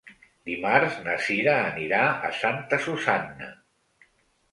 Dimarts na Cira anirà a Santa Susanna.